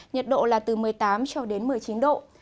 nhiệt độ là từ một mươi tám cho đến một mươi chín độ